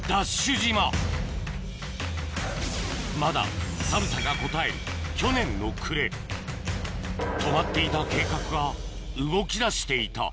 島まだ寒さがこたえる去年の暮れ止まっていた計画が動きだしていた